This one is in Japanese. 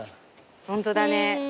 ホントだね。